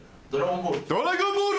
『ドラゴンボール』。